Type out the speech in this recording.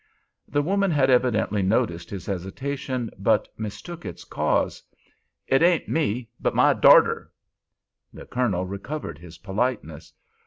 The woman had evidently noticed his hesitation, but mistook its cause. "It ain't me—but my darter." The Colonel recovered his politeness.